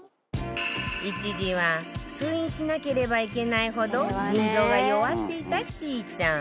一時は通院しなければいけないほど腎臓が弱っていたちーたん